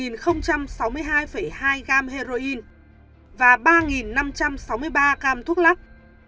tổng cộng đã vận chuyển mua hai gam heroin và ba năm trăm sáu mươi ba gam thuốc lắc